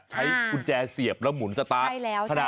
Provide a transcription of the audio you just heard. ใช้กุญแจเสียบแล้วหมุนสตาร์ทใช่แล้วใช่แล้ว